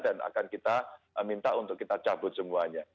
dan akan kita minta untuk kita cabut semuanya